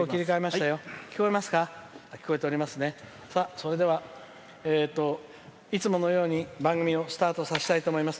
それでは、いつものように番組をスタートさせたいと思います。